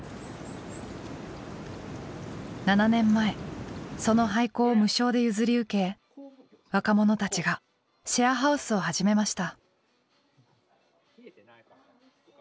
７年前その廃校を無償で譲り受け若者たちがシェアハウスを始めました。